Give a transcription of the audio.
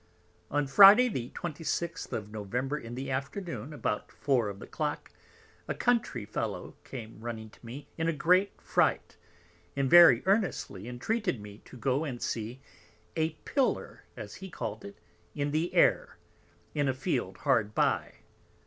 On Friday the 26th of November, in the Afternoon, about Four of the Clock, a Country Fellow came running to me in a great Fright, and very earnestly entreated me to go and see a Pillar, as he call'd it, in the Air, in a Field hard by.